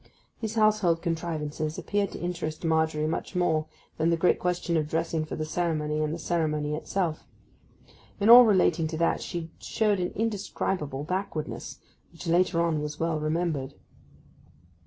These household contrivances appeared to interest Margery much more than the great question of dressing for the ceremony and the ceremony itself. In all relating to that she showed an indescribable backwardness, which later on was well remembered.